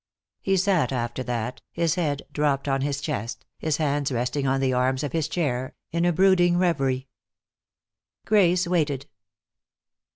He sat after that, his head dropped on his chest, his hands resting on the arms of his chair, in a brooding reverie. Grace waited.